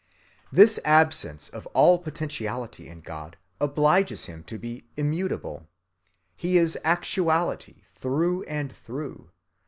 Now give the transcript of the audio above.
This absence of all potentiality in God obliges Him to be immutable. He is actuality, through and through.